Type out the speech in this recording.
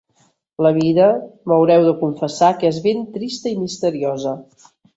La vida, m'haureu de confessar que és ben trista i misteriosa…